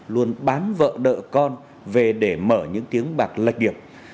luôn bán vợ đợ con về để mở những tiếng bạc lạch điệp